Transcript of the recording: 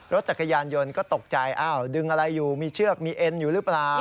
รถจักรยานยนต์ก็ตกใจอ้าวดึงอะไรอยู่มีเชือกมีเอ็นอยู่หรือเปล่า